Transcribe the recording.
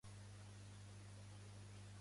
Qui és l'advocat principal de Junqueras i Romeva?